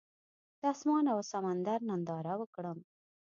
د اسمان او سمندر ننداره وکړم.